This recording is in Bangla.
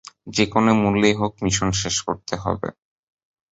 যেকোনো মূল্যেই হোক, মিশন শেষ করতে হবে।